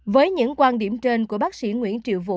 với những quan điểm trên của bác sĩ nguyễn triệu vũ